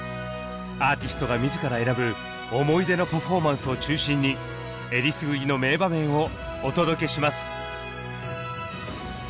アーティストが自ら選ぶ思い出のパフォーマンスを中心にえりすぐりの名場面をお届けします。